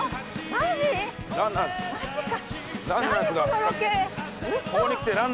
マジか。